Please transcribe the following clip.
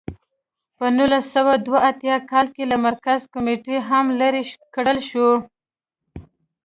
په نولس سوه دوه اتیا کال کې له مرکزي کمېټې هم لرې کړل شو.